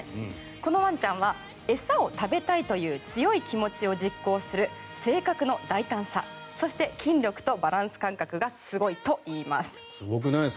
このワンちゃんは餌を食べたいという強い気持ちを実行する性格の大胆さそして筋力とバランス感覚がすごいといいます。